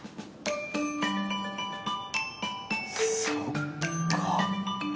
そっか。